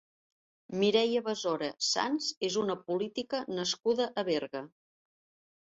Mireia Besora Sans és una política nascuda a Berga.